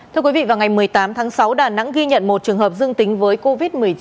thưa quý vị vào ngày một mươi tám tháng sáu đà nẵng ghi nhận một trường hợp dương tính với covid một mươi chín